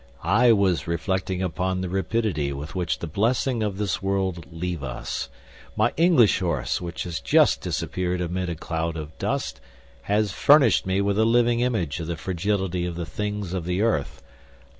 "I was reflecting upon the rapidity with which the blessings of this world leave us. My English horse, which has just disappeared amid a cloud of dust, has furnished me with a living image of the fragility of the things of the earth.